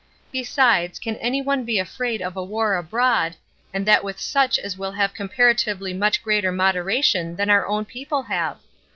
Besides, can any one be afraid of a war abroad, and that with such as will have comparatively much greater moderation than our own people have?